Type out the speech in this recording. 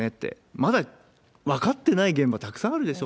まだ渡ってない現場、たくさんあるでしょ？